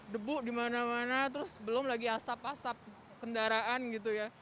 debu di mana mana terus belum lagi asap asap kendaraan gitu ya